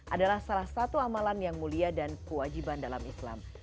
adalah salah satu amalan yang mulia dan kewajiban dalam islam